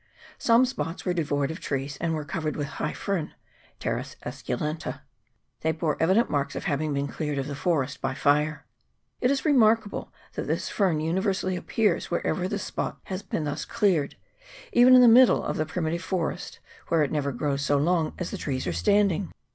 Some spots were devoid of trees, and were covered with high fern (Pteris esculenta) ; they bore evident marks of having been cleared of the forest by fire. It is remarkable that this fern universally appears wherever a spot has been thus cleared, even in the middle of the primitive forest, where it never grows so long as the trees are standing.